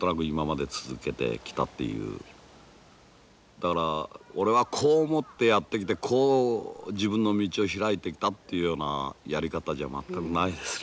だから俺はこう思ってやってきてこう自分の道を開いていったっていうようなやり方じゃ全くないですね